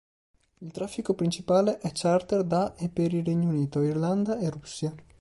Il traffico principale è charter da e per il Regno Unito, Irlanda e Russia.